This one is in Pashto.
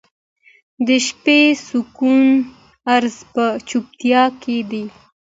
• د شپې د سکون راز په چوپتیا کې دی.